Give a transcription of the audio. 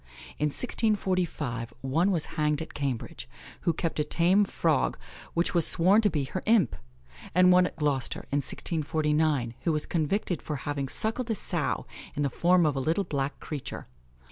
In 1645 one was hanged at Cambridge, who kept a tame frog which was sworn to be her imp; and one at Gloucester, in 1649, who was convicted for having suckled a sow in the form of a little black creature.